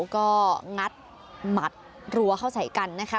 ก็งัดหมัดรั้วเข้าใส่กันนะคะ